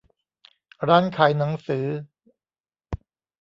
ร้านขายหนังสือ